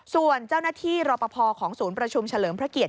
ส่วนเจ้าหน้าที่รอปภของศูนย์ประชุมเฉลิมพระเกียรติ